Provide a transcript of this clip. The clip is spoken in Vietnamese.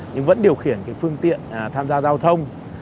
nhưng vẫn điều khiển phương tiện tham gia giao thông